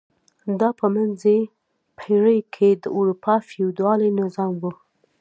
دا په منځنۍ پېړۍ کې د اروپا فیوډالي نظام و.